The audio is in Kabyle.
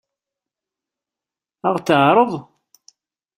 Ad ɣ-t-teɛṛeḍ?